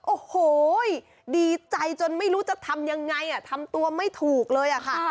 โอ้โหดีใจจนไม่รู้จะทำยังไงทำตัวไม่ถูกเลยค่ะ